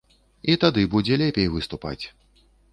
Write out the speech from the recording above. І тады будзе лепей выступаць.